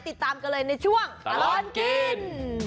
ติดตามกันเลยในช่วงตลอดกิน